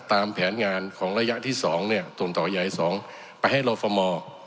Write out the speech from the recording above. ตามแผนงานของระยะที่สองเนี่ยตรงต่อขยายสองไปให้รอฟม